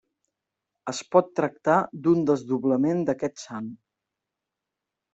Es pot tractar d'un desdoblament d'aquest sant.